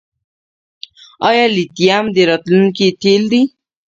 آیا لیتیم د راتلونکي تیل دي؟